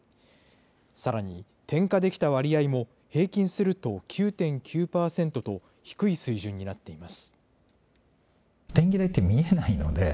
さらに、転嫁できた割合も、平均すると９．９％と、低い水準になっています。